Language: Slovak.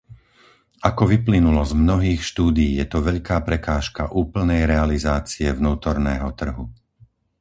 Ako vyplynulo z mnohých štúdií, je to veľká prekážka úplnej realizácie vnútorného trhu.